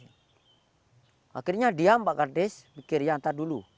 akhirnya dia pak kardes berpikir ya nanti dulu